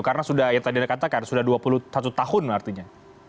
karena sudah yang tadi anda katakan sudah dua puluh satu tahun artinya